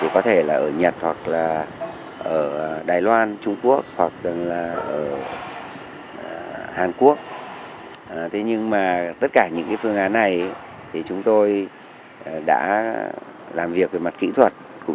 có thể ở nhật ở đài loan trung quốc hoặc